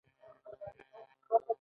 د دولت د اداري پالیسۍ طرح او تطبیق کول.